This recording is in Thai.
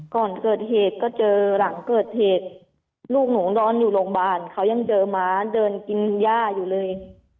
ก่อนเกิดเหตุก็เจอหลังเกิดเหตุลูกหนูนอนอยู่โรงพยาบาลเขายังเจอม้าเดินกินย่าอยู่เลย